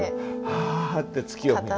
はあって月を見る。